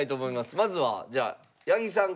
まずはじゃあ八木さんから。